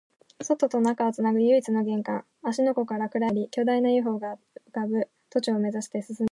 外と中をつなぐ唯一の玄関、芦ノ湖から暗闇の世界に入り、巨大な ＵＦＯ が浮ぶ都庁を目指して進んでいった